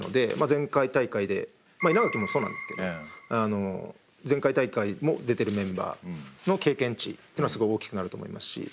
前回大会で稲垣もそうなんですけど前回大会も出てるメンバーの経験値っていうのがすごい大きくなると思いますし。